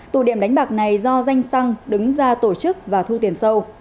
tụ điểm đánh bạc này do danh xăng đứng ra tổ chức và thu tiền sâu